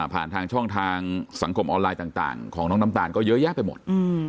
ผ่านทางช่องทางสังคมออนไลน์ต่างของน้องน้ำตาลก็เยอะแยะไปหมด